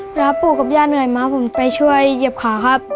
เวลาปู่กับย่าเหนื่อยมาผมไปช่วยเหยียบขาครับ